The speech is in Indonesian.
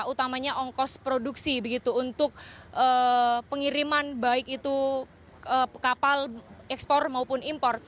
utamanya ongkos produksi begitu untuk pengiriman baik itu kapal ekspor maupun impor